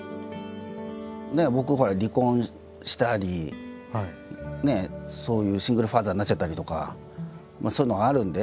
僕ほら離婚したりねそういうシングルファーザーになっちゃったりとかそういうのがあるんで。